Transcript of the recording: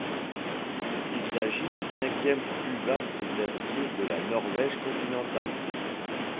Il s'agit du cinquième plus vaste glacier de la Norvège continentale.